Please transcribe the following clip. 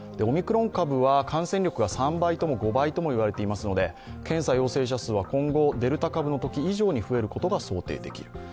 オミクロン株は感染力が３倍とも５倍とも言われていますので検査陽性者数は今後、デルタ株のとき以上に増える可能性がある。